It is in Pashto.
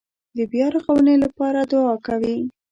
د بیارغونې لپاره یې دعا کوي.